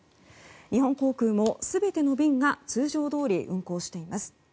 日本航空も全ての便が通常どおり運航しています。